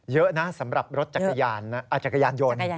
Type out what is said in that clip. เยอะนะสำหรับรถจักรยานยนต์